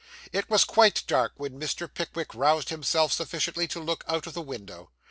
It was quite dark when Mr. Pickwick roused himself sufficiently to look out of the window.